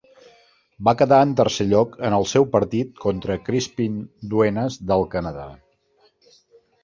Va quedar en tercer lloc en el seu partit contra Crispin Duenas del Canadà.